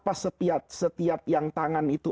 pas setiap yang tangan itu